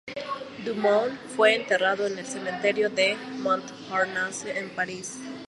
Dumont fue enterrado en el cementerio de Montparnasse en París.